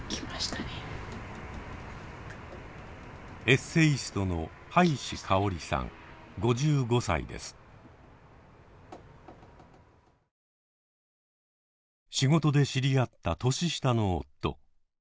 エッセイストの仕事で知り合った年下の夫。